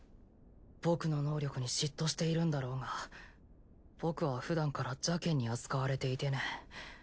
僕の能力に嫉妬しているんだろうが僕はふだんから邪けんに扱われていてね。